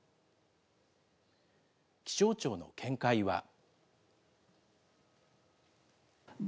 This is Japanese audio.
気象庁の見解は。